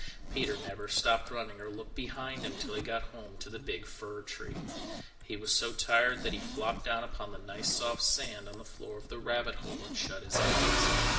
Peter never stopped running or looked behind him till he got home to the big fir tree. He was so tired that he flopped down upon the nice soft sand on the floor of the rabbit hole, and shut his eyes.